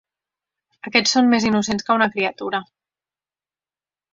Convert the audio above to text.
Aquests són més innocents que una criatura.